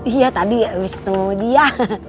iya tadi habis ketemu dia